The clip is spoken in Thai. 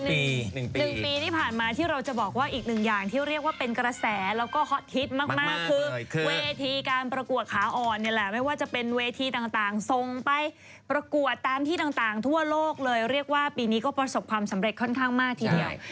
หนึ่งปีที่ผ่านมาที่เราจะบอกว่าอีกหนึ่งอย่างที่เรียกว่าเป็นกระแสแล้วก็ฮอตฮิตมากคือเวทีการประกวดขาอ่อนเนี่ยแหละไม่ว่าจะเป็นเวทีต่างส่งไปประกวดตามที่ต่างทั่วโลกเลยเรียกว่าปีนี้ก็ประสบความสำเร็จค่อนข้างมากทีเดียว